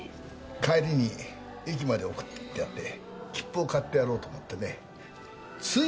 帰りに駅まで送ってってやって切符を買ってやろうと思ってねつい